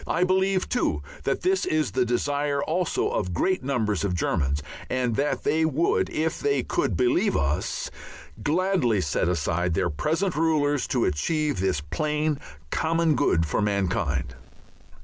I believe, too, that this is the desire also of great numbers of Germans, and that they would, if they could believe us, gladly set aside their present rulers to achieve this plain common good for mankind.